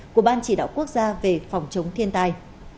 của ban chỉ đạo quốc gia về phòng chống thiên tai